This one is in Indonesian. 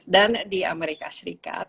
dan di amerika serikat